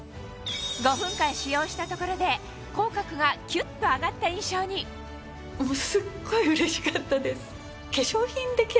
５分間使用したところで口角がキュっと上がった印象にすっごいうれしかったです。